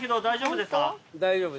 大丈夫です。